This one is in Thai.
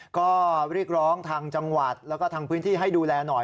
ก็เรียกร้องทางจังหวัดแล้วก็ทางพื้นที่ให้ดูแลหน่อย